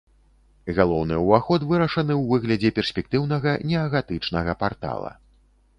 Галоўны ўваход вырашаны ў выглядзе перспектыўнага неагатычнага партала.